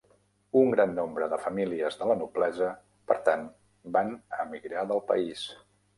Un gran nombre de famílies de la noblesa, per tant, van emigrar del país.